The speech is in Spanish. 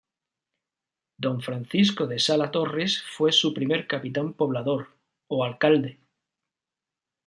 Don Francisco de Salas Torres fue su primer capitán poblador, o alcalde.